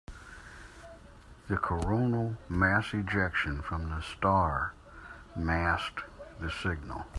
The coronal mass ejection from the star masked the signal.